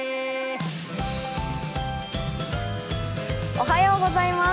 おはようございます。